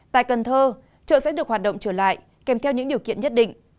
tại cần thơ chợ sẽ được hoạt động trở lại kèm theo những điều kiện nhất định